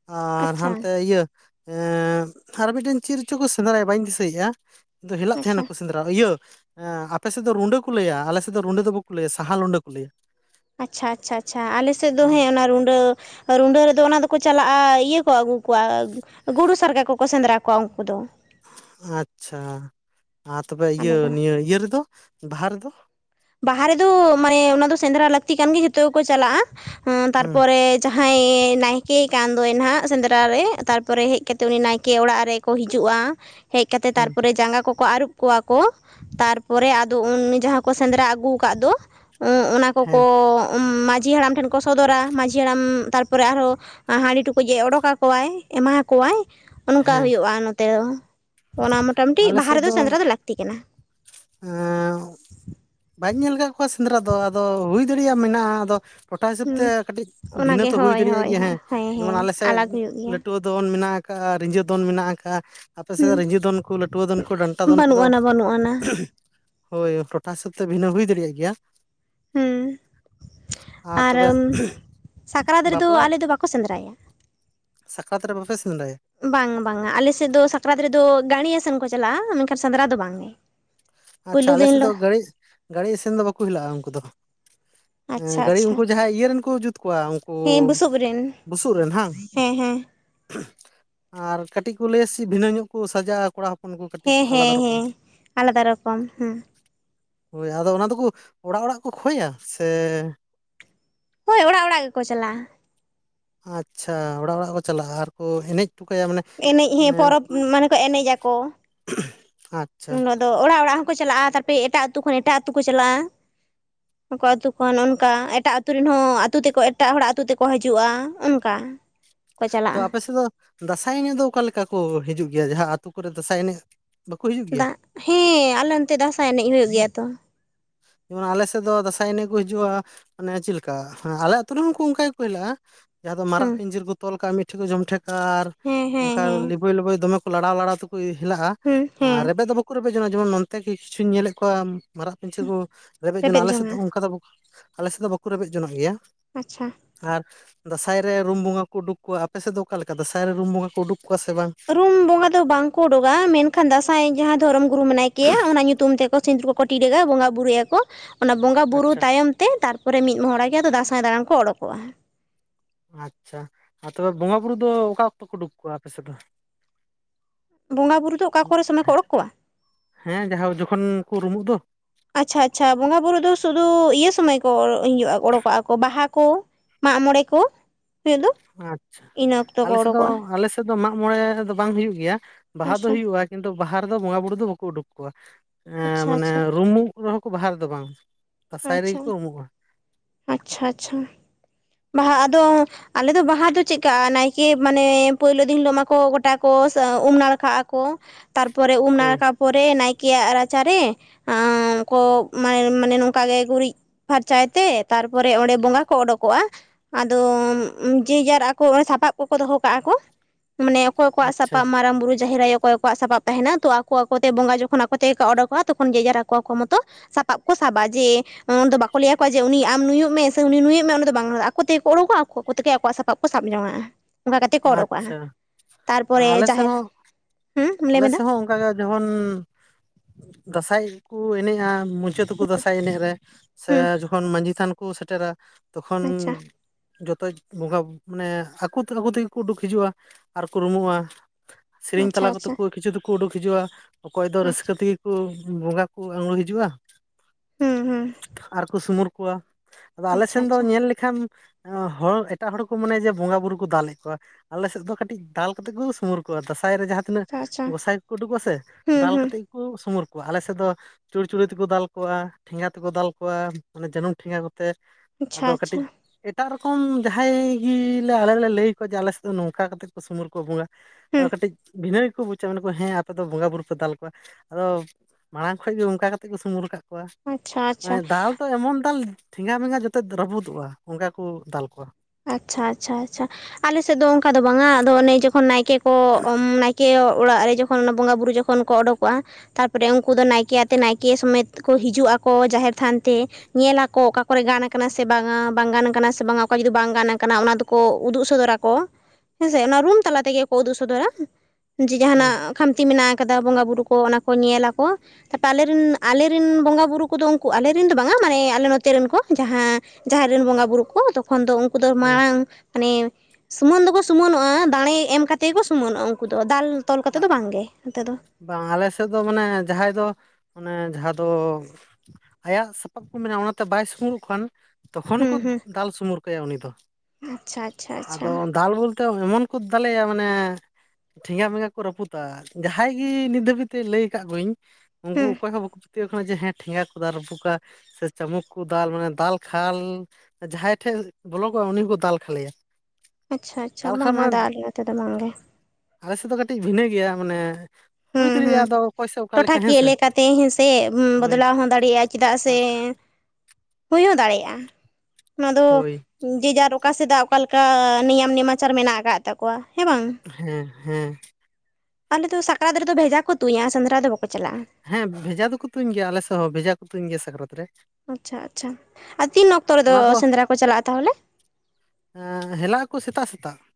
ᱟᱨ ᱟᱪᱪᱷᱟ ᱦᱟᱱᱛᱮ ᱤᱭᱟᱹ ᱟᱨ ᱢᱤᱫᱴᱮᱱ ᱪᱮᱫᱪᱚ ᱠᱚ ᱥᱮᱸᱫᱽᱨᱟᱭᱟ ᱵᱟᱹᱧ ᱫᱤᱥᱟᱹᱭᱮᱫᱼᱟ ᱫᱚ ᱦᱮᱞᱟᱜ ᱟᱪᱪᱷᱟ ᱛᱟᱦᱮᱱᱟᱠᱚ ᱥᱮᱸᱫᱽᱨᱟᱭ ᱤᱭᱟᱹ ᱟᱯᱮ ᱥᱮᱫ ᱫᱚ ᱨᱩᱰᱟᱹ ᱠᱚ ᱞᱟᱹᱭᱟ ᱟᱞᱮ ᱥᱮᱫ ᱫᱚ ᱨᱩᱸᱰᱟᱹ ᱫᱚ ᱵᱟᱠᱚ ᱞᱟᱹᱭᱟ ᱥᱟᱦᱟ ᱞᱩᱸᱰᱟᱹ ᱠᱚ ᱞᱟᱹᱭᱟ ᱾ ᱟᱪᱪᱷᱟ ᱟᱪᱪᱷᱟ ᱟᱪᱷᱟ ᱟᱞᱮ ᱥᱮᱫ ᱫᱚ ᱦᱮᱸ ᱚᱱᱟ ᱨᱩᱸᱰᱟᱹ ᱨᱩᱸᱰᱟᱹ ᱨᱮᱫᱚ ᱚᱱᱟ ᱫᱚᱠᱚ ᱪᱟᱞᱟᱜᱼᱟ ᱤᱭᱟᱹ ᱠᱚ ᱟᱹᱜᱩ ᱠᱚᱣᱟ ᱜᱩᱨᱩᱩ ᱥᱟᱨᱠᱟ ᱠᱚᱠᱚ ᱥᱮᱸᱫᱽᱨᱟ ᱠᱚᱣᱟ ᱩᱱᱠᱩ ᱫᱚ ᱾ ᱟᱪᱷᱟ ᱟᱨ ᱛᱚᱵᱮ ᱤᱭᱟᱹ ᱟᱞᱮ ᱫᱚ᱾ ᱱᱤᱭᱟᱹ ᱤᱭᱟᱹ ᱨᱮᱫᱚ ᱵᱟᱦᱟ ᱨᱮᱫᱚ? ᱵᱟᱦᱟ ᱨᱮᱫᱚ ᱢᱟᱱᱮ ᱚᱱᱟ ᱫᱚ ᱥᱮᱸᱫᱽᱨᱟ ᱞᱟᱹᱠᱛᱤ ᱠᱟᱱᱜ ᱡᱷᱚᱛᱚ ᱜᱮᱠᱚ ᱪᱟᱞᱟᱜᱼᱟ ᱦᱩᱸ ᱛᱟᱨᱯᱚᱨᱮ ᱡᱟᱦᱟᱸᱭ ᱱᱟᱭᱠᱮᱭ ᱠᱟᱱ ᱫᱚᱭ ᱱᱟᱦᱟᱜ ᱥᱮᱸᱫᱽᱨᱟ ᱨᱮ ᱛᱟᱨᱯᱚᱨᱮ ᱦᱮᱡ ᱠᱟᱛᱮ ᱩᱱᱤ ᱱᱟᱭᱠᱮ ᱚᱲᱟᱜ ᱨᱮ ᱠᱚ ᱦᱤᱡᱩᱜᱼᱟ ᱾ ᱦᱮᱡ ᱠᱟᱛᱮ ᱦᱩᱸ ᱛᱟᱨᱯᱚᱨᱮ ᱡᱟᱸᱜᱟ ᱠᱚ ᱟᱹᱨᱩᱵ ᱠᱚᱣᱟ ᱠᱚ ᱛᱟᱨᱯᱚᱨᱮ ᱟᱫᱚᱩᱱ ᱡᱟᱦᱟ ᱠᱚ ᱥᱮᱸᱫᱽᱨᱟ ᱟᱹᱜᱩᱣᱟ ᱟᱠᱟᱫ ᱫᱚ ᱚᱱᱟ ᱠᱚ ᱦᱮᱸ ᱢᱟᱺᱡᱷᱤ ᱦᱟᱲᱟᱢ ᱴᱷᱮᱱ ᱠᱚ ᱥᱚᱫᱚᱨᱟ ᱢᱟᱺᱡᱷᱤ ᱦᱟᱲᱟᱢ ᱛᱟᱨᱯᱚᱨᱮ ᱟᱨᱦᱚᱸ ᱦᱟᱺᱰᱤ ᱴᱩᱠᱩᱡ ᱚᱰᱳᱠ ᱟᱠᱚᱣᱟᱭ ᱮᱢᱟ ᱠᱚᱣᱟᱭ ᱾ ᱚᱱᱠᱟ ᱦᱮᱸ ᱦᱩᱭᱩᱜᱼᱟ ᱱᱚᱛᱮ ᱫᱚ ᱚᱱᱟ ᱢᱚᱴ ᱢᱩᱩᱴᱤ ᱟᱞᱮ ᱵᱟᱦᱟ ᱥᱮᱫ ᱨᱮ ᱫᱚ ᱥᱮᱸᱫᱽᱨᱟ ᱫᱚ ᱞᱟᱹᱠᱛᱤ ᱠᱟᱱᱟ ᱾ ᱮᱸ ᱾ ᱵᱟᱹᱧ ᱧᱮᱞ ᱟᱠᱟᱫ ᱠᱚᱣᱟ ᱥᱮᱸᱫᱽᱨᱟ ᱫᱚ ᱟᱫᱚ ᱦᱩᱭ ᱫᱟᱲᱮᱭᱟᱜ ᱢᱮᱱᱟᱜᱼᱟ ᱟᱫᱚ ᱴᱚᱴᱷᱟ ᱦᱤᱥᱟᱹᱵ ᱦᱮᱸ ᱛᱮ ᱠᱟᱹᱴᱤᱡ ᱚᱱᱟᱜᱮ ᱵᱷᱤᱱᱟᱹᱛᱚ ᱦᱩᱭ ᱦᱳᱭ ᱫᱟᱲᱮᱭᱟᱜ ᱦᱳᱭ ᱜᱮᱭᱟ ᱦᱳᱭ ᱦᱮᱸ ᱦᱮᱸ ᱡᱮᱢᱚᱱ ᱟᱞᱮᱥᱮᱫ ᱟᱞᱟᱜᱽ ᱦᱩᱭᱩᱜ ᱜᱮᱭᱟ ᱞᱟᱹᱴᱩ ᱫᱚᱱ ᱢᱮᱱᱟᱜ ᱟᱠᱟᱫᱼᱟ ᱨᱸᱡᱟᱹ ᱫᱚᱱ ᱢᱮᱱᱟᱜ ᱟᱠᱟᱜᱼᱟ ᱟᱯᱮ ᱥᱮᱫ ᱦᱩᱸ ᱨᱸᱡᱟᱹ ᱫᱚᱱ ᱱᱠᱩ ᱞᱟᱹᱴᱩᱣᱟᱹ ᱫᱚᱱ ᱠᱚ ᱩᱱᱠᱩ ᱰᱟᱱᱴᱟ ᱫᱚᱱ ᱵᱟᱹᱱᱩᱜ ᱠᱚᱫᱚ ᱟᱱᱟ ᱵᱟᱹᱱᱩᱜ ᱟᱱᱟ ᱦᱳᱭ ᱴᱚᱴᱷᱟ ᱦᱤᱥᱟᱵ ᱛᱮ ᱵᱷᱤᱱᱟᱹ ᱦᱩᱭ ᱫᱟᱲᱮᱭᱟᱜ ᱜᱮᱭᱟ ᱾ ᱦᱩᱸ ᱾ ᱟᱨ ᱥᱟᱠᱨᱟᱛ ᱨᱮᱫᱚ ᱵᱟᱯᱞᱟ ᱟᱞᱮ ᱫᱚ ᱵᱟᱠᱚ ᱥᱮᱸᱫᱽᱨᱟᱭᱟ ᱾ ᱥᱟᱠᱨᱟᱛ ᱨᱮ ᱵᱟᱯᱮ ᱥᱮᱸᱫᱽᱨᱟᱭᱟ ᱾ ᱵᱟᱝ ᱵᱟᱝᱟ ᱟᱞᱮᱥᱮᱫ ᱫᱚ ᱥᱟᱠᱨᱟᱛ ᱨᱮᱫᱚ ᱜᱟᱲᱭᱟ ᱥᱮᱱ ᱠᱚ ᱪᱟᱞᱟᱜᱼᱟ ᱢᱮᱱᱠᱷᱟᱱ ᱥᱮᱸᱫᱽᱨᱟ ᱫᱚ ᱵᱟᱝᱜᱮ ᱾ <unintelligible> ᱟᱪᱷᱟ ᱟᱞᱮ ᱥᱮᱫ ᱫᱚ ᱜᱟᱹᱲᱤᱭᱟ ᱜᱟᱹᱲᱤᱭᱟ ᱤᱥᱤᱱ ᱫᱚ ᱵᱟᱠᱚ ᱦᱤᱞᱟᱜ ᱟ ᱩᱱᱠᱩ ᱫᱚ ᱾ ᱦᱮᱸ ᱟᱪᱪᱷᱟ ᱜᱟᱹᱲᱤ ᱟᱪᱪᱷᱟ ᱩᱱᱠᱩ ᱡᱟᱦᱟᱸᱭ ᱤᱭᱟᱹ ᱨᱮᱱ ᱠᱚ ᱡᱩᱛ ᱠᱚᱣᱟ ᱩᱱᱠᱩ ᱦᱮᱸ ᱵᱩᱥᱩᱵ ᱨᱮᱱ ᱵᱩᱥᱩᱵ ᱨᱮᱱ ᱦᱟᱝ? ᱦᱮᱸ ᱦᱮᱸ ᱟᱨ ᱠᱟᱹᱴᱤᱡ ᱠᱚ ᱞᱮᱭᱟ ᱥᱮ ᱵᱷᱤᱱᱟᱹ ᱧᱚᱜ ᱠᱚ ᱥᱟᱡᱟᱜᱼᱟ ᱠᱚᱲᱟ ᱦᱚᱯᱚᱱ ᱾ ᱦᱮᱸ ᱦᱮᱸ ᱦᱮᱸ ᱟᱞᱟᱫᱟ ᱨᱚᱠᱚᱢ ᱦᱩᱸ ᱾ ᱦᱳᱭ, ᱟᱫᱚ ᱚᱱᱟ ᱫᱚᱠᱚ ᱚᱲᱟᱜ ᱚᱲᱟᱜ ᱠᱚ ᱠᱷᱚᱭᱟ ᱥᱮ ᱦᱳᱭ ᱚᱲᱟᱜ ᱚᱲᱟᱜ ᱜᱮᱠᱚ ᱪᱟᱞᱟᱜᱼᱟ ᱾ ᱟᱪᱪᱷᱟ ᱚᱲᱟᱜ ᱚᱲᱟᱜ ᱠᱚ ᱪᱟᱞᱟᱜᱼᱟ ᱟᱨᱠᱚ ᱮᱱᱮᱡ ᱴᱚ ᱠᱟᱭᱟ ᱢᱟᱱᱮ ᱮᱱᱮᱡ ᱦᱮᱸ ᱯᱚᱨᱚᱵᱽ ᱢᱟᱱᱮ ᱠᱚ ᱮᱱᱮᱡ ᱟᱠᱚ ᱾ ᱟᱨ ᱾ ᱩᱱ ᱞᱳᱜ ᱫᱚ ᱚᱲᱟᱜ ᱚᱲᱟᱜ ᱦᱚᱸᱠᱚ ᱪᱟᱞᱟᱜᱼᱟ ᱛᱟᱨᱯᱚᱨᱮ ᱮᱴᱟᱜ ᱟᱹᱛᱩ ᱠᱷᱚᱱ ᱮᱴᱟᱜ ᱟᱹᱛᱩ ᱠᱚ ᱪᱟᱞᱟᱜᱼᱟ ᱾ ᱟᱠᱚᱭᱟᱜ ᱟᱹᱛᱩ ᱠᱷᱚᱱ ᱚᱱᱠᱟ ᱮᱴᱟᱜ ᱟᱹᱛᱩ ᱨᱮᱱ ᱦᱚᱸ ᱟᱹᱛᱩ ᱛᱮᱠᱚ ᱮᱴᱟᱜ ᱦᱚᱲᱟᱜ ᱟᱹᱛᱩ ᱛᱮᱠᱚ ᱦᱮᱡᱩᱜᱼᱟ ᱚᱝᱠᱟ ᱾ <inaudible> ᱛᱚ ᱟᱯᱮ ᱥᱮᱜ ᱫᱚ ᱫᱟᱸᱥᱟᱭ ᱮᱱᱮᱡ ᱫᱚ ᱚᱠᱟ ᱞᱮᱠᱟ ᱠᱚ ᱦᱤᱡᱩᱜ ᱜᱮᱭᱟ ᱡᱟᱦᱟᱸ ᱟᱹᱛᱩ ᱠᱚᱨᱮᱜ ᱫᱟᱸᱥᱟᱭ ᱮᱱᱮᱡ? ᱵᱟᱠᱚ ᱦᱤᱡᱩᱜ ᱜᱮᱭᱟ ᱫᱟᱜ ᱦᱮᱸ ᱟᱞᱮ ᱚᱱᱛᱮ ᱫᱟᱸᱥᱟᱭ ᱮᱱᱮᱡ ᱦᱩᱭᱩᱜ ᱜᱮᱭᱟ ᱛᱚ ᱾ ᱡᱮᱢᱚᱱ ᱟᱞᱮ ᱥᱮᱜ ᱫᱚ ᱫᱟᱸᱥᱟᱭ ᱮᱱᱮᱡ ᱠᱚ ᱦᱤᱡᱩᱜᱼᱟ ᱾ ᱢᱟᱱᱮ ᱪᱤᱱ ᱞᱮᱠᱟ, ᱟᱞᱮ ᱟᱹᱛᱩ ᱨᱮᱦᱚᱸ ᱩᱝᱠᱩ ᱚᱝᱠᱟ ᱜᱮᱠᱚ ᱦᱮᱞᱟᱜ-ᱟ᱾ ᱡᱟᱦᱟᱸ ᱫᱚ ᱢᱟᱨᱟᱜ ᱦᱮᱸ ᱯᱤᱧᱪᱟᱹᱨ ᱠᱚ ᱛᱚᱞ ᱠᱟᱜ-ᱟ, ᱢᱤᱜᱴᱷᱮᱱ ᱠᱚ ᱡᱚᱢᱴᱷᱮ ᱠᱟᱜ-ᱟ ᱟᱨ ᱦᱮᱸ ᱦᱮᱸ ᱚᱝᱠᱟ ᱦᱮᱸ ᱞᱤᱵᱚᱭ ᱞᱚᱵᱚᱭ ᱫᱚᱢᱮ ᱠᱚ ᱞᱟᱲᱟᱣ ᱞᱟᱲᱟᱣ ᱛᱮᱠᱚ ᱠᱩ ᱦᱮᱞᱟᱜ-ᱟ, ᱦᱮᱸ ᱦᱮᱸ ᱟᱨ ᱨᱮᱵᱮᱫ ᱫᱚ ᱵᱟᱠᱩ ᱨᱮᱵᱮᱡ ᱡᱚᱱᱟᱜ-ᱟ, ᱡᱮᱢᱚᱱ ᱱᱚᱱᱛᱮ ᱠᱤ ᱠᱤᱪᱷᱩᱧ ᱧᱮᱞᱮᱜ ᱠᱚᱣᱟ ᱢᱟᱨᱟᱜ ᱯᱤᱧᱪᱟᱹᱨ ᱦᱩ ᱨᱮᱵᱮᱜ ᱡᱚᱱᱟᱜ ᱨᱮᱵᱮᱫ ᱟᱞᱮ ᱥᱮᱫᱷ ᱫᱚ ᱡᱚᱝᱟ ᱚᱝᱠᱟ ᱫᱚ ᱵᱟᱠᱚ ᱟᱞᱮ ᱥᱮᱫ ᱫᱚ ᱵᱟᱠᱚ ᱨᱮᱵᱮᱜ ᱡᱚᱱᱟᱜ ᱜᱮᱭᱟ᱾ ᱟᱪᱪᱷᱟ᱾ ᱟᱨ ᱫᱟᱸᱥᱟᱭ ᱨᱮ ᱨᱩᱢ ᱵᱚᱸᱜᱟ ᱠᱚ ᱩᱰᱩᱠ ᱠᱚᱣᱟ, ᱟᱯᱮ ᱥᱮᱜ ᱫᱚ ᱚᱠᱟᱮᱠᱟ ᱫᱟᱸᱥᱟᱭ ᱨᱮ ᱨᱩᱢ ᱵᱚᱸᱜᱟ ᱠᱚ ᱩᱰᱩᱠ ᱠᱚᱣᱟ ᱥᱮ ᱵᱟᱝ? ᱨᱩᱢ ᱵᱚᱸᱜᱟ ᱫᱚ ᱵᱟᱝᱠᱚ ᱳᱰᱳᱜᱟ, ᱢᱮᱱᱠᱷᱟᱱ ᱫᱟᱥᱟᱸᱭ ᱡᱟᱦᱟᱸ ᱫᱷᱚᱨᱚᱢ ᱜᱩᱨᱩ ᱢᱮᱱᱟᱭ ᱠᱮᱭᱟ ᱚᱱᱟ ᱧᱩᱛᱩᱢ ᱛᱮ ᱥᱤᱸᱫᱩᱨ ᱠᱚᱠᱚ ᱴᱤᱰᱟᱹᱜᱟ ᱵᱚᱸᱜᱟ ᱵᱩᱨᱩᱭᱟᱠᱚ, ᱚᱱᱟ ᱵᱚᱸᱜᱟ ᱵᱩᱨᱩ ᱟᱪᱪᱷᱟ ᱛᱟᱭᱚᱢ ᱛᱮ ᱛᱟᱨ ᱯᱚᱨᱮ ᱢᱤᱜ ᱢᱚᱦᱚᱲᱟᱭ ᱜᱮ ᱟᱫᱚ ᱫᱟᱸᱥᱟᱭ ᱫᱟᱬᱟᱱ ᱠᱚ ᱚᱰᱚᱠᱚᱜ-ᱟ᱾ ᱟᱪᱪᱷᱟ, ᱟᱨ ᱛᱚᱵᱮ ᱵᱚᱸᱜᱟ ᱵᱩᱨᱩ ᱫᱚ ᱚᱠᱟ ᱚᱠᱛᱚ ᱠᱚ ᱩᱰᱩᱠ ᱠᱚᱣᱟ ᱟᱯᱮ ᱥᱮᱫ ᱫᱚ? ᱵᱚᱸᱜᱟ ᱵᱩᱨᱩ ᱫᱚ ᱚᱠᱟ ᱠᱚᱨᱮ ᱥᱚᱢᱚᱭ ᱠᱚ ᱚᱲᱳᱠ ᱠᱚᱣᱟ? ᱦᱮᱸ ᱡᱟᱦᱟᱸ ᱡᱚᱠᱷᱚᱱ ᱠᱚ ᱨᱩᱢᱩᱜ ᱫᱚ। ᱟᱪᱪᱷᱟ ᱟᱪᱪᱷᱟ, ᱵᱚᱸᱜᱟ ᱵᱩᱨᱩ ᱫᱚ ᱥᱩᱫᱩ ᱤᱭᱟᱹ ᱥᱚᱢᱚᱭ ᱠᱚ ᱤᱭᱟᱹ ᱚᱲᱳᱠᱚᱜ-ᱟ ᱠᱚ ᱵᱟᱦᱟ ᱠᱚ᱾ ᱢᱟᱜᱽᱢᱚᱬᱮ ᱠᱚ᱾ ᱦᱩᱭᱩᱜ ᱫᱚ ᱟᱪᱪᱷᱟ, ᱤᱱᱟᱹ ᱚᱠᱛᱚ ᱠᱚ ᱟᱞᱮᱥᱮᱫ ᱫᱚ ᱚᱰᱚᱠᱚᱜᱼᱟ ᱟᱞᱮᱥᱮᱫ ᱫᱚ ᱢᱟᱜᱽ ᱢᱚᱬᱮ ᱫᱚ ᱵᱟᱝ ᱦᱩᱭᱩᱜ ᱜᱮᱭᱟ ᱵᱟᱦᱟ ᱫᱚ ᱟᱪᱪᱷᱟ ᱦᱩᱭᱩᱜ-ᱟ᱾ ᱠᱤᱱᱛᱩ ᱵᱟᱦᱟ ᱨᱮᱫᱚ ᱵᱚᱸᱜᱟ ᱵᱩᱨᱩ ᱫᱚ ᱵᱟᱠᱩ ᱩᱰᱩᱠ ᱠᱚᱣᱟ, ᱟᱪᱪᱷᱟ ᱢᱟᱱᱮ ᱟᱪᱪᱷᱟ ᱨᱩᱢᱩᱜ ᱨᱮᱦᱚᱸ ᱠᱚ ᱵᱟᱦᱟ ᱨᱮ ᱫᱚ ᱵᱟᱝ ᱫᱟᱥᱟᱭ ᱟᱪᱪᱷᱟ ᱨᱮᱜᱮ ᱠᱩ ᱨᱩᱢᱩᱜ-ᱟ᱾ ᱟᱪᱪᱷᱟ ᱟᱪᱪᱷᱟ, ᱵᱟᱦᱟ ᱟᱫᱚ ᱟᱞᱮ ᱫᱚ ᱵᱟᱦᱟ ᱫᱚ ᱪᱮᱜᱠᱟ, ᱱᱟᱭᱠᱮ ᱢᱟᱱᱮ ᱯᱳᱭᱞᱳ ᱫᱤᱱ ᱦᱤᱞᱳᱜ ᱢᱟᱠᱚ ᱜᱚᱴᱟ ᱠᱚ ᱥᱟ ᱩᱢ ᱱᱟᱲᱠᱟᱜ-ᱟ ᱠᱚ᱾ ᱛᱟᱨᱯᱚᱨᱮ ᱩᱢ ᱦᱳᱭ ᱱᱟᱲᱠᱟ ᱯᱚᱨᱮ ᱱᱟᱭᱠᱮᱭᱟᱜ ᱨᱟᱪᱟᱨᱮ ᱟᱸ ᱠᱚ ᱢᱟᱱᱮ ᱢᱟᱱᱮ ᱱᱚᱝᱠᱟ ᱜᱮ ᱜᱩᱨᱤᱡ ᱯᱷᱟᱨᱪᱟᱭ ᱛᱮ ᱛᱟᱨᱯᱚᱨᱮ ᱚᱲᱮ ᱵᱚᱸᱜᱟ ᱠᱚ ᱚᱰᱳᱠᱚᱜ-ᱟ᱾ ᱟᱫᱚ ᱡᱮᱡᱟᱨ ᱟᱠᱚ ᱚᱱᱮ ᱥᱟᱯᱟᱵ ᱠᱚᱠᱚ ᱫᱚᱦᱚ ᱠᱟᱜ-ᱟ ᱠᱚ, ᱢᱟᱱᱮ ᱚᱠᱚᱭ ᱠᱚᱣᱟᱜ ᱟᱪᱪᱷᱟ ᱥᱟᱯᱟᱯ ᱢᱟᱨᱟᱝ ᱵᱩᱨᱩ ᱡᱟᱦᱮᱨ ᱟᱭᱳ ᱚᱠᱚᱭ ᱟᱠᱚᱣᱟᱜ ᱥᱟᱯᱟᱵ ᱛᱟᱦᱮᱱᱟ ᱛᱚ ᱟᱠᱚ ᱟᱠᱚᱛᱮ ᱵᱚᱸᱜᱟ ᱡᱚᱠᱷᱚᱱ ᱟᱠᱚ ᱛᱮᱜᱮ ᱠᱚ ᱚᱰᱳᱠᱚᱜ-ᱟ ᱛᱚᱠᱷᱚᱱ ᱡᱮᱡᱟᱨ ᱟᱠᱚ ᱟᱠᱚ ᱢᱚᱛᱚ ᱥᱟᱯᱟᱵ ᱠᱚ ᱥᱟᱵᱟ ᱡᱮ ᱩᱱᱫᱚ ᱵᱟᱠᱚ ᱞᱮᱭᱟᱠᱚᱣᱟ ᱡᱮ ᱩᱱᱤᱭᱟᱜ ᱟᱢ ᱱᱩᱭᱩᱜ ᱢᱮ ᱥᱮ ᱩᱱᱤ ᱱᱩᱭᱩᱜ ᱢᱮ ᱚᱱᱟ ᱫᱚ ᱵᱟᱝ ᱚᱱᱟᱫᱚ ᱟᱠᱚ ᱛᱮᱜᱮ ᱠᱚ ᱚᱲᱳᱠᱚᱜ-ᱟ, ᱟᱠᱚ ᱟᱠᱚ ᱛᱮᱜᱮ ᱟᱠᱚᱣᱟᱜ ᱥᱟᱯᱟᱵ ᱠᱚ ᱥᱟᱵ ᱡᱚᱧᱟᱜ-ᱟ᱾ ᱚᱝᱠᱟ ᱠᱟᱛᱮᱜ ᱜᱮ ᱠᱚ ᱚᱰᱳᱠᱚᱜ-ᱟ ᱦᱟᱸᱜ ᱟᱪᱪᱷᱟ ᱛᱟᱨᱯᱚᱨᱮ ᱟᱞᱮ ᱡᱟᱦᱮᱨ ᱦᱩᱸ ᱞᱮᱭᱢᱮ ᱫᱟ᱾ ᱠᱟᱜᱮ ᱡᱚᱢᱚᱱ ᱫᱟᱸᱥᱟᱭ ᱠᱩ ᱮᱱᱮᱡ-ᱟ, ᱢᱩᱪᱟᱹᱫᱟᱠᱩ ᱫᱟᱸᱥᱟᱭ ᱮᱱᱮᱡ ᱨᱮ᱾ ᱥᱮ ᱦᱩᱸ ᱡᱚᱠᱷᱚᱱ ᱢᱟᱺᱡᱷᱤ ᱛᱷᱟᱱ ᱠᱩ ᱥᱮᱴᱮᱨᱟ ᱛᱚᱠᱷᱚᱱ ᱟᱪᱪᱷᱟ ᱡᱚᱛᱚᱡ ᱵᱚᱸᱜᱟ ᱢᱟᱱᱮ ᱟᱠᱚ ᱛᱮᱠᱚ ᱟᱠᱚ ᱛᱮᱜᱮ ᱠᱚ ᱩᱰᱩᱠ ᱦᱤᱡᱩᱜ-ᱟ ᱟᱨᱠᱚ ᱨᱩᱢᱩᱜ-ᱟ᱾ ᱥᱤᱨᱤᱧ ᱟᱪᱪᱷᱟ ᱛᱟᱞᱟ ᱠᱚᱛᱮ ᱟᱪᱪᱷᱟ ᱠᱚ ᱠᱤᱪᱷᱩ ᱫᱚᱠᱚ ᱩᱰᱩᱠ ᱦᱤᱡᱩᱜ-ᱟ, ᱚᱠᱚᱭ ᱫᱚ ᱟᱪᱪᱷᱟ ᱨᱟᱹᱥᱠᱟᱹ ᱛᱤᱜᱤ᱾ ᱠᱩ ᱵᱚᱸᱜᱟ ᱠᱩ ᱚᱸᱰᱳᱜ ᱦᱤᱡᱩᱜ-ᱟ᱾ ᱦᱩᱸ ᱦᱩᱸ᱾ ᱟᱨᱠᱩ ᱥᱩᱢᱩᱨ ᱠᱚᱣᱟ, ᱟᱫᱚ ᱟᱞᱮ ᱟᱪᱪᱷᱟ ᱥᱮᱱ ᱫᱚ ᱟᱪᱪᱷᱟ ᱧᱮᱞ ᱞᱮ ᱠᱷᱟᱱ ᱚ ᱦᱚᱲ ᱮᱴᱟᱜ ᱦᱚᱲ ᱠᱚ ᱢᱟᱱᱮᱭᱟ ᱡᱮ ᱵᱚᱸᱜᱟ ᱵᱩᱨᱩ ᱠᱩ ᱫᱟᱞᱮᱜ ᱠᱚᱣᱟ᱾ ᱟᱞᱮ ᱥᱮᱫ ᱫᱚ ᱠᱟᱹᱴᱤᱡ ᱫᱟᱞ ᱠᱟᱛᱮᱜ ᱠᱩ ᱥᱩᱢᱩᱨ ᱠᱚᱣᱟ, ᱫᱟᱥᱟᱭ ᱨᱮ ᱡᱟᱦᱟᱸ ᱛᱤᱱᱟᱹᱜ ᱟᱪᱪᱷᱟ ᱟᱪᱪᱷᱟ ᱜᱚᱸᱥᱟᱭ ᱠᱚᱠᱚ ᱩᱰᱩᱠᱚᱜ-ᱟ ᱥᱮ, ᱦᱩᱸ ᱫᱟᱞ ᱦᱩᱸ ᱠᱟᱛᱮᱜ ᱜᱮᱠᱩ ᱥᱩᱢᱩᱨ ᱠᱚᱣᱟ ᱟᱞᱮᱥᱮᱫ ᱫᱚ ᱪᱩᱲᱪᱩᱲᱤ ᱛᱮᱠᱚ ᱫᱟᱞ ᱠᱚᱣᱟ, ᱴᱷᱮᱸᱜᱟ ᱛᱮᱠᱚ ᱫᱟᱞ ᱠᱚᱣᱟ, ᱢᱟᱱᱮ ᱡᱟᱹᱱᱩᱢ ᱴᱷᱮᱸᱜᱟ ᱠᱚᱛᱮ ᱟᱪᱪᱷᱟ ᱟᱫᱚ ᱟᱪᱪᱷᱟ ᱠᱟᱴᱤᱡ ᱮᱴᱟᱜ ᱨᱚᱠᱚᱢ ᱡᱟᱦᱟᱸᱭ ᱜᱤᱞᱮ ᱟᱞᱮ ᱞᱮ ᱞᱟᱹᱭ ᱡᱮ ᱟᱞᱮ ᱥᱮᱫ ᱫᱚ ᱱᱚᱝᱠᱟ ᱠᱟᱛᱮᱫ ᱠᱚ ᱥᱩᱢᱩᱨ ᱠᱚᱣᱟ ᱵᱚᱸᱜᱟ ᱦᱩᱸ ᱟᱨ ᱠᱟᱹᱴᱤᱡ ᱵᱷᱤᱱᱟᱹ ᱜᱮ ᱠᱚ ᱵᱩᱡ ᱪᱮᱫ ᱢᱮᱱᱟ ᱠᱚ ᱦᱮᱸ ᱟᱯᱮ ᱫᱚ ᱵᱚᱸᱜᱟ ᱵᱩᱨᱩ ᱯᱮ ᱫᱟᱞ ᱠᱚᱣᱟ ᱟᱫᱚ ᱢᱟᱲᱟᱝ ᱠᱷᱚᱡ ᱜᱮ ᱚᱱᱠᱟ ᱠᱟᱛᱮᱫ ᱠᱚ ᱥᱩᱢᱩᱨ ᱟᱠᱟᱫ ᱠᱚᱣᱟ, ᱟᱪᱪᱷᱟ ᱟᱪᱪᱷᱟ ᱢᱟᱱᱮ ᱫᱟᱞ ᱛᱚ ᱮᱢᱚᱱ ᱫᱟᱞ ᱴᱷᱮᱸᱜᱟ ᱢᱮᱸᱜᱟ ᱡᱚᱛᱚ ᱨᱟᱹᱯᱩᱫᱚᱜ-ᱟ, ᱚᱱᱠᱟ ᱠᱚ ᱫᱟᱞ ᱠᱚᱣᱟ᱾ ᱟᱪᱪᱷᱟ ᱟᱪᱪᱷᱟ ᱟᱪᱪᱷᱟ, ᱟᱞᱮᱥᱮᱫ ᱫᱚ ᱚᱱᱠᱟ ᱫᱚ ᱵᱟᱝᱟ ᱟᱫᱚ ᱚᱱᱮ ᱡᱚᱠᱷᱚᱱ ᱱᱟᱭᱠᱮ ᱠᱚ ᱱᱟᱭ ᱠᱮ ᱚᱲᱟᱜ ᱨᱮ ᱡᱚᱠᱷᱚᱱ ᱚᱱᱟ ᱵᱚᱸᱜᱟ ᱵᱩᱩᱨ ᱡᱚᱠᱷᱚᱱ ᱠᱚ ᱚᱰᱳᱠᱚᱜ-ᱟ ᱛᱟᱨᱯᱚᱨᱮ ᱩᱱᱠᱩ ᱫᱚ ᱱᱟᱭᱠᱮ ᱟᱛᱮ ᱱᱟᱭᱠᱮ ᱥᱚᱢᱮᱛ ᱠᱚ ᱦᱤᱡᱩᱜ ᱟᱠᱚ ᱡᱟᱦᱮᱨ ᱛᱷᱟᱱ ᱛᱮ᱾ ᱧᱮᱞ ᱟᱠᱚ ᱚᱠᱟ ᱠᱚᱨᱮ ᱜᱟᱱ ᱟᱠᱟᱱᱟ ᱥᱮ ᱵᱟᱝᱟ ᱵᱟᱝ ᱜᱟᱱ ᱠᱟᱱᱟ ᱥᱮ ᱵᱟᱝᱟ ᱚᱠᱟ ᱡᱩᱫᱤ ᱵᱟᱝ ᱜᱟᱱ ᱟᱠᱟᱱᱟ ᱚᱱᱟ ᱫᱚᱠᱚ ᱩᱫᱩᱜ ᱥᱚᱫᱚᱨᱟ ᱠᱚ ᱦᱮᱸᱥᱮ ᱚᱱᱟ ᱨᱩᱢ ᱛᱟᱞᱟ ᱛᱮᱜᱮ ᱠᱚ ᱩᱫᱩᱜ ᱥᱚᱫᱚᱨᱟ᱾ ᱡᱮ ᱦᱩᱸ ᱡᱟᱸᱦᱟᱱᱟᱜ ᱠᱷᱟᱢᱛᱤ ᱢᱮᱱᱟᱜ ᱟᱠᱟᱫᱟ ᱵᱚᱸᱜᱟ ᱵᱩᱨᱩ ᱠᱚ ᱚᱱᱟ ᱠᱚ ᱧᱮ ᱟᱠᱚ᱾ ᱛᱟᱨᱯᱚᱨ ᱟᱞᱮ ᱨᱮᱱ ᱟᱞᱮ ᱨᱮᱱ ᱵᱚᱸᱜᱟᱼᱵᱩᱨᱩ ᱠᱚᱫᱚ ᱩᱱᱠᱩ ᱟᱞᱮ ᱨᱮᱱ ᱫᱚ ᱵᱟᱝᱟ ᱢᱟᱱᱮ ᱟᱞᱮ ᱱᱚᱛᱮ ᱨᱮᱱ ᱠᱚ ᱡᱟᱦᱟᱸ ᱡᱟᱦᱮᱨ ᱨᱮᱱ ᱵᱚᱸᱜᱟ ᱵᱩᱨᱩ ᱠᱚ ᱛᱚᱠᱷᱚᱱ ᱫᱚ ᱩᱱᱠᱩ ᱫᱚ ᱦᱳᱭ ᱢᱟᱲᱟᱝ ᱢᱟᱱᱮ ᱥᱩᱢᱟᱹᱱ ᱫᱚᱠᱚ ᱥᱩᱢᱟᱹᱱᱚᱜ-ᱟ ᱫᱟᱲᱮ ᱮᱢ ᱠᱟᱛᱮ ᱜᱮ ᱠᱚ ᱥᱩᱢᱟᱹᱱᱚᱜ-ᱟ ᱩᱱᱠᱩ ᱫᱚ ᱫᱟᱞ ᱛᱚᱞ ᱠᱟᱛᱮᱫ ᱫᱚ ᱵᱟᱝᱜᱮ ᱱᱚᱛᱮ ᱫᱚ᱾ ᱵᱟᱝ ᱟᱞᱮ ᱥᱮᱫ ᱫᱚ ᱢᱟᱱᱮ ᱡᱟᱦᱟᱸᱭ ᱫᱚ ᱚᱱᱮ ᱡᱟᱦᱟᱸ ᱫᱚ ᱟᱭᱟᱜ ᱥᱟᱯᱟᱵ ᱠᱚ ᱢᱮᱱᱟᱜ-ᱟ ᱚᱱᱟᱛᱮ ᱵᱟᱭ ᱥᱩᱢᱩᱨᱚᱜ ᱠᱷᱟᱱ ᱛᱚᱠᱷᱚᱱ ᱦᱩᱸ ᱠᱚ ᱦᱩᱸ ᱫᱟᱞ ᱥᱢᱩᱨ ᱠᱟᱭᱟ ᱩᱱᱤ ᱫᱚ, ᱟᱪᱪᱷᱟ ᱟᱪᱪᱷᱟ ᱟᱪᱪᱷᱟ ᱟᱫᱚ ᱫᱟᱞ ᱵᱚᱞᱛᱮ ᱮᱢᱚᱱ ᱠᱚ ᱫᱟᱞᱮᱭᱟ ᱢᱟᱱᱮ ᱴᱷᱮᱸᱜᱟ ᱵᱮᱸᱜᱟ ᱠᱚ ᱨᱟᱹᱯᱩᱫᱟ ᱡᱟᱦᱟᱸ ᱡᱟᱦᱟᱸᱭ ᱜᱮ ᱱᱤᱛ ᱫᱷᱟᱹᱵᱤᱡ ᱛᱮ ᱞᱟᱹᱭ ᱟᱠᱟᱫ ᱠᱚᱣᱟᱧ ᱩᱱᱠᱩ ᱦᱩᱸ ᱚᱠᱚᱭ ᱦᱚᱸ ᱵᱟᱠᱚ ᱯᱟᱹᱛᱭᱟᱹᱣ ᱡᱮ ᱦᱮᱸ ᱴᱷᱮᱸᱜᱟ ᱠᱚ ᱫᱟᱞ ᱨᱯᱩᱠᱟ ᱥᱮ ᱪᱟᱢᱩᱠ ᱠᱚ ᱫᱟᱞ ᱢᱟᱱᱮ ᱫᱟᱞ ᱠᱷᱟᱞ ᱡᱟᱦᱟᱸᱭ ᱴᱷᱮᱡ ᱵᱚᱞᱚᱠᱚᱜ-ᱟ ᱩᱱᱤ ᱦᱚᱸᱠᱚ ᱫᱟᱞ ᱠᱷᱟᱞᱮᱭᱟ᱾ ᱟᱪᱪᱷᱟ ᱟᱪᱪᱷᱟ ᱫᱟᱞ ᱠᱷᱟᱞ ᱵᱟᱝᱟ ᱢᱟᱱᱮ ᱫᱟᱞ ᱱᱚᱛᱮ ᱫᱚ ᱵᱟᱝᱜᱮ᱾ ᱟᱞᱮ ᱥᱮᱫ ᱫᱚ ᱠᱟᱹᱴᱤᱡ ᱵᱷᱤᱱᱟᱹ ᱜᱮᱭᱟ ᱢᱟᱱᱮ ᱦᱩᱭ ᱦᱩᱸ ᱦᱩᱸ ᱫᱟᱲᱮᱭᱟᱜᱼᱟ ᱟᱫᱚ ᱚᱠᱚᱭ ᱥᱮᱫ ᱚᱠᱟ ᱞᱮᱠᱟ ᱦᱮᱸ ᱴᱚᱴᱷᱟᱠᱤᱭᱟᱹ ᱥᱮ ᱞᱮᱠᱟᱛᱮ ᱦᱮᱸᱥᱮ ᱦᱳᱭ ᱵᱚᱫᱽᱞᱟᱣ ᱦᱚᱸ ᱫᱟᱲᱮᱭᱟᱜ-ᱟ ᱪᱮᱫᱟᱜ ᱥᱮ ᱟᱨ ᱦᱩᱭ ᱦᱚᱸ ᱫᱟᱲᱮᱭᱟᱜ-ᱟ ᱚᱱᱟ ᱫᱚ ᱦᱳᱭ ᱡᱮᱡᱟᱨ ᱚᱠᱟᱥᱮᱫᱟᱜ ᱚᱠᱟᱮ ᱞᱮᱠᱟ ᱱᱤᱭᱟᱢ ᱱᱮᱢᱟᱪᱟᱨ ᱢᱮᱱᱟᱜ ᱟᱠᱟᱫ ᱛᱟᱠᱚᱣᱟ ᱦᱮᱸ ᱵᱟᱝ᱾ ᱦᱮᱸ ᱦᱮᱸ ᱾ ᱟᱞᱮᱫᱚ ᱥᱟᱠᱨᱟᱛ ᱨᱮᱫᱚ ᱵᱷᱮᱡᱟ ᱠᱚ ᱛᱩᱧᱟ ᱥᱮᱸᱫᱨᱟ ᱫᱚ ᱵᱟ ᱠᱚ ᱪᱟᱞᱟᱜ-ᱟ ᱦᱮᱸ ᱵᱷᱮᱡᱟ ᱫᱚᱠᱚ ᱛᱩᱧ ᱜᱮᱭᱟ ᱟᱞᱮ ᱥᱮᱫ ᱦᱚᱸ ᱵᱷᱮᱡᱟ ᱠᱚ ᱛᱩᱧ ᱜᱮᱭᱟ ᱥᱟᱠᱨᱟᱛ ᱨᱮ᱾ ᱟᱪᱪᱷᱟ ᱟᱪᱪᱷᱟ ᱟᱨ ᱛᱤᱱ ᱚᱠᱛᱚ ᱨᱮᱫᱚ ᱚᱱᱟ ᱫᱚ ᱥᱮᱸᱫᱽᱨᱟ ᱠᱚ ᱪᱟᱞᱟᱜ-ᱟ ᱛᱟᱦᱚᱞᱮ? ᱮᱸ ᱦᱮᱞᱟᱜ ᱟᱠᱚ ᱥᱮᱛᱟᱜ ᱥᱮᱛᱟᱜ ᱾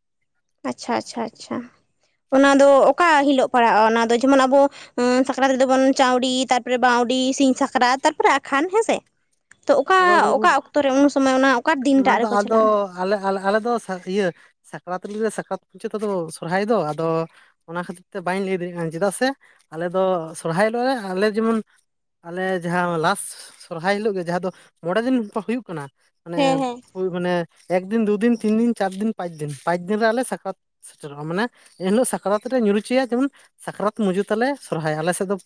ᱟᱪᱪᱷᱟ ᱟᱪᱪᱷᱟ ᱟᱪᱪᱷᱟ ᱚᱱᱟ ᱫᱚ ᱚᱠᱟ ᱦᱤᱞᱳᱜ ᱯᱟᱲᱟᱜ-ᱟ ᱚᱱᱟ ᱫᱚ ᱡᱮᱢᱚᱱ ᱟᱵᱚ ᱥᱟᱠᱨᱟᱛ ᱨᱮᱫᱚ ᱵᱚᱱ ᱪᱟᱹᱣᱰᱤ ᱛᱟᱨᱯᱚᱨᱮ ᱵᱟᱹᱣᱰᱤ ᱥᱤᱧ ᱥᱟᱠᱨᱟᱛ ᱛᱟᱨᱯᱚᱨᱮ ᱟᱠᱷᱟᱱ ᱦᱮᱸᱥᱮ᱾ ᱛᱚ ᱚᱠᱟ ᱟᱫᱚ ᱚᱠᱟ ᱚᱠᱛᱚᱨᱮ ᱩᱱᱥᱚᱢᱚᱭ ᱚᱱᱟ ᱚᱠᱟ ᱚᱱᱟ ᱫᱤᱱᱴᱟᱜ ᱫᱚ ᱨᱮᱠᱚ ᱟᱫᱚ ᱪᱟᱞᱟᱜ-ᱟ? ᱟᱞᱮ ᱟᱞᱮ ᱟᱞᱮ ᱫᱚ ᱤᱭᱟᱹ ᱥᱟᱠᱨᱟᱛ ᱨᱮ ᱥᱟᱠᱨᱟᱛ ᱢᱩᱪᱟ. ᱛ ᱫᱚ ᱥᱚᱨᱦᱟᱭ ᱫᱚ ᱟᱫᱚ ᱚᱱᱟ ᱠᱷᱟᱹᱛᱤᱨ ᱛᱮ ᱵᱟᱹᱧ ᱞᱟᱹᱭ ᱫᱟᱲᱮᱭᱟᱜ ᱠᱟᱱᱟ ᱪᱮᱫᱟᱜ ᱥᱮ ᱟᱞᱮ ᱫᱚ ᱥᱚᱨᱦᱟᱭ ᱦᱤᱞᱳᱜ ᱨᱮ ᱟᱞᱮ ᱡᱮᱢᱚᱱ ᱟᱞᱮ ᱡᱟᱦᱟᱸ ᱞᱟᱥ ᱥᱚᱨᱦᱟᱭ ᱦᱤᱞᱳᱜ ᱜᱮ ᱡᱟᱦᱟᱸ ᱫᱚ ᱢᱚᱬᱮ ᱫᱤᱱ ᱦᱩᱭᱩᱜ ᱠᱟᱱᱟ ᱢᱟᱱᱮ ᱦᱮᱸ ᱦᱮᱸ ᱳᱭ ᱢᱟᱱᱮ ᱮᱠᱫᱤᱱ ᱫᱩᱫᱤᱱ ᱛᱤᱱ ᱫᱤᱱ ᱪᱟᱨ ᱫᱤᱱ ᱯᱟᱸᱪ ᱫᱤᱱ ᱯᱟᱸᱪ ᱫᱤᱱ ᱨᱮ ᱟᱞᱮ ᱥᱟᱠᱨᱟᱛ ᱥᱮᱴᱮᱨᱚᱜ-ᱟ ᱢᱟᱱᱮ ᱮᱱᱦᱤᱞᱳᱜ ᱥᱟᱠᱨᱟᱛ ᱞᱮ ᱧᱩᱨ ᱦᱚᱚᱭᱟ ᱡᱮᱢᱚᱱ ᱥᱟᱠᱨᱟᱛ ᱢᱩᱪᱟᱹᱫ ᱛᱟᱞᱮ ᱥᱚᱨᱦᱟᱭᱟ ᱟᱞᱮ ᱥᱮᱫ ᱫᱚ